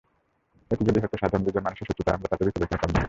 এটি যদি হতো সাধারণ দুজন মানুষের শত্রুতা, আমরা তাতে বিচলিত হতাম না।